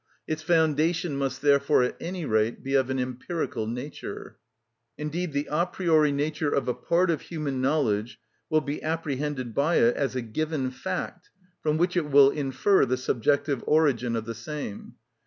Its foundation must therefore, at any rate, be of an empirical nature. Indeed the a priori nature of a part of human knowledge will be apprehended by it as a given fact, from which it will infer the subjective origin of the same.